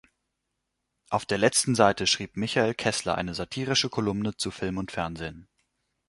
Auf der letzten Seite schrieb Michael Kessler eine satirische Kolumne zu Film und Fernsehen.